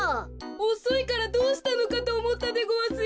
おそいからどうしたのかとおもったでごわすよ。